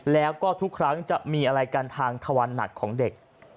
แล้วก็ทุกครั้งจะมีอะไรกันทางทวันหนักของเด็ก